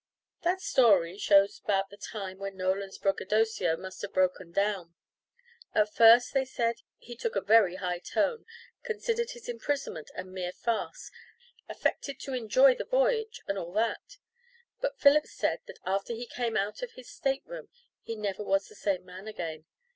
That story shows about the time when Nolan's braggadocio must have broken down. At first, they said, he took a very high tone, considered his imprisonment a mere farce, affected to enjoy the voyage, and all that; but Phillips said that after he came out of his state room he never was the same man again.